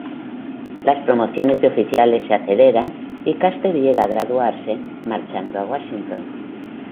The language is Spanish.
Las promociones de oficiales se aceleran y Custer llega a graduarse, marchando a Washington.